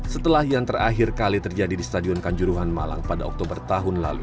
setelah yang terakhir kali terjadi di stadion kanjuruhan malang pada oktober tahun lalu